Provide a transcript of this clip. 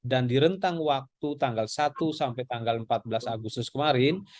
dan direntang waktu tanggal satu sampai tanggal empat belas agustus kemarin